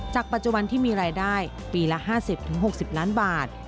ปัจจุบันที่มีรายได้ปีละ๕๐๖๐ล้านบาท